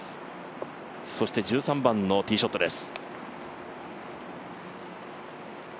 そして１３番のティーショットです。